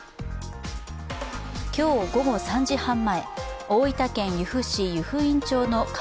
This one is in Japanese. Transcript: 今日午後３時半前、大分県由布市湯布院町の花